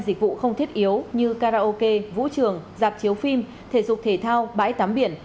dịch vụ không thiết yếu như karaoke vũ trường dạp chiếu phim thể dục thể thao bãi tắm biển